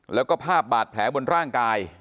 แล้วก็ภาพบาดแผลบนร่างกาย